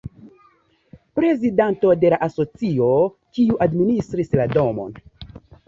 Prezidanto de la asocio, kiu administris la domon.